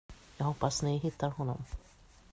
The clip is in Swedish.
Jag hoppas ni hittar honom.